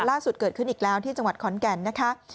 ล่าสุดเกิดขึ้นอีกแล้วที่จังหวัดขอนแก่นนะคะ